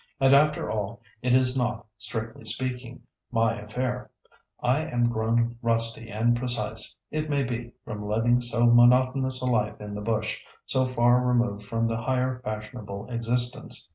"And after all, it is not, strictly speaking, my affair. I am grown rusty and precise, it may be, from living so monotonous a life in the bush, so far removed from the higher fashionable existence.